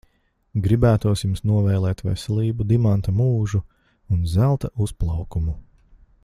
Gribētos jums novēlēt veselību, dimanta mūžu un zelta uzplaukumu.